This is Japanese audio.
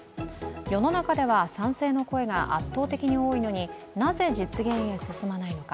世の中では賛成の声が圧倒的に多いのに、なぜ実現へ進まないのか。